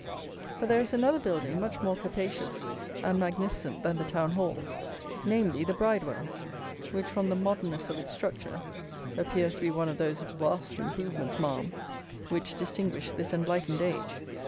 But there is another building much more capacious and magnificent than the town hall; namely, the Bridewell, which, from the modernness of its structure, appears to be one of those "wauste improvements, Ma'am," which distinguish this enlightened age.